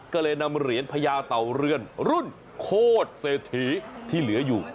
ก็เลยนำเหรียญพญาเต่าเรือนรุ่นโคตรเศรษฐีที่เหลืออยู่